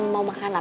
mau makan apa